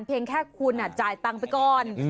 เพียงแค่คุณจ่ายตังค์ไปก่อน